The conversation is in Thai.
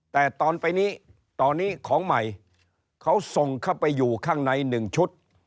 แต่ตอนไปนี้ตอนนี้ของใหม่เขาส่งเข้าไปอยู่ข้างใน๑ชุด